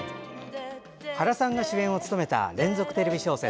原さんが主演を務めた連続テレビ小説